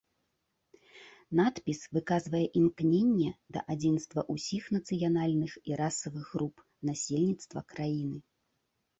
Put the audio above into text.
Надпіс выказвае імкненне да адзінства ўсіх нацыянальных і расавых груп насельніцтва краіны.